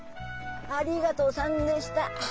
ありがとさんでした。